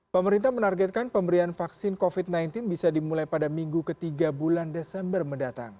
pemerintah menargetkan pemberian vaksin covid sembilan belas bisa dimulai pada minggu ketiga bulan desember mendatang